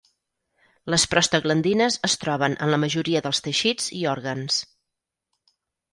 Les prostaglandines es troben en la majoria dels teixits i òrgans.